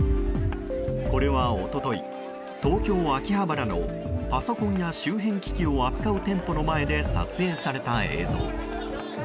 これは一昨日、東京・秋葉原のパソコンや周辺機器を扱う店舗の前で撮影された映像。